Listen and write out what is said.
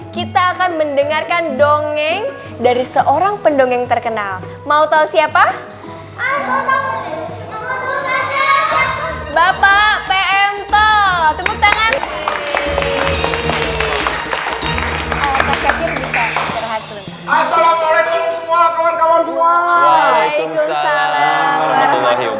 kita akan mendengarkan dongeng dari seorang pendongeng terkenal mau tahu siapa hai bapak